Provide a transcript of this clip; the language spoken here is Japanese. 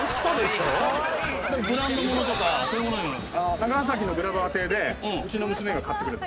長崎のグラバー邸でうちの娘が買ってくれた。